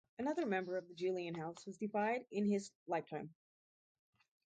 Another member of the Julian house was deified in his lifetime.